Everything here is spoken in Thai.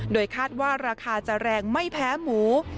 โดยคาดว่าราคาจะแรงไม่แพ้หมู